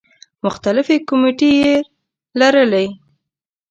مختلفې کومیټې یې لرلې.